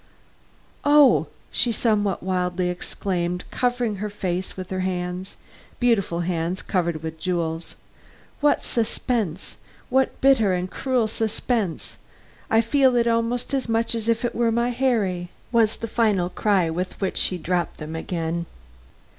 "Oh!" she somewhat wildly exclaimed, covering her face with her hands beautiful hands covered with jewels "what suspense! what bitter and cruel suspense! I feel it almost as much as if it were my Harry!" was the final cry with which she dropped them again.